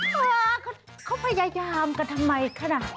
โชคฟุตบอลเนี่ยเค้าพยายามกันทำไมคะน่ะ